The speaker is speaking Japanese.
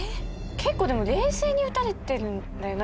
結構でも冷静に撃たれてるんだよな。